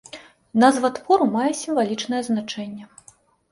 Назва твору мае сімвалічнае значэнне.